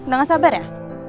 udah nggak sabar ya